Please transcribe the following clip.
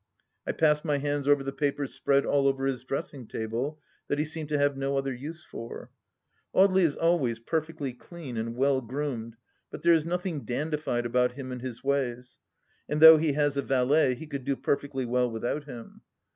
I passed my hands over the papers spread all over his dressing table that he seemed to have no other use for. Audely is always perfectly clean and well groomed, but there is nothing dandified about him and his ways; and though he has a valet he could do perfectly well without him.